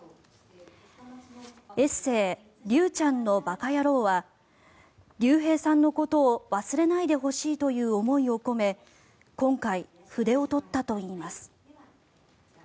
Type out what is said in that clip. エッセー「竜ちゃんのばかやろう」は竜兵さんのことを忘れないでほしいという思いを込め今回、筆を執ったといいます。